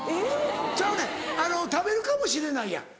ちゃうねん食べるかもしれないやん。